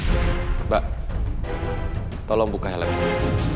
mbak tolong buka helmnya